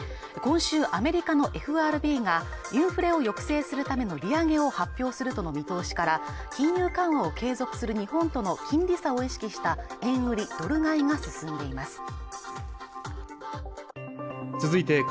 今週アメリカのＦＲＢがインフレを抑制するための利上げを発表するとの見通しから金融緩和を継続する日本との金利差を意識した円売り・ドル買いが進んでいます